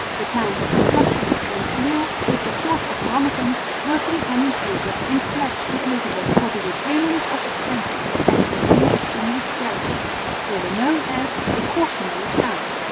The towns of Flushing and Brill with the fort of Rammekens were to be handed over in pledge to Elizabeth for the repayment of expenses and received English garrisons. They were known as "the cautionary towns."